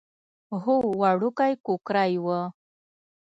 هو وړوکی کوکری و.